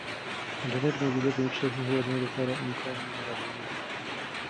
د انټرنیټ موجودیت د انکشافي هیوادونو لپاره امکانات برابروي.